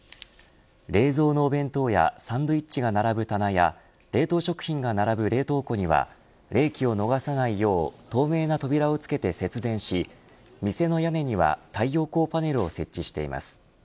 冷蔵のお弁当やサンドイッチが並ぶ棚や冷凍食品が並ぶ冷凍庫には冷気を逃さないよう透明な扉をつけて節電し店の屋根には太陽光パネルを設置しています。